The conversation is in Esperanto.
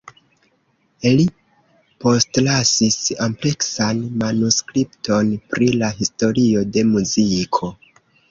Li postlasis ampleksan manuskripton pri la historio de muziko.